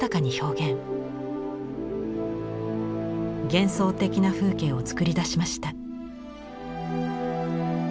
幻想的な風景を作り出しました。